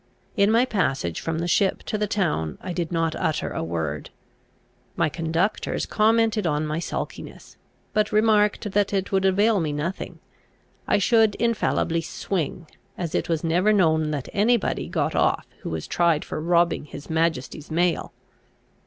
In my passage from the ship to the town I did not utter a word. My conductors commented on my sulkiness; but remarked that it would avail me nothing I should infallibly swing, as it was never known that any body got off who was tried for robbing his majesty's mail.